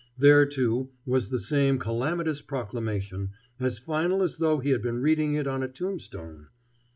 There, too, was the same calamitous proclamation, as final as though he had been reading it on a tombstone.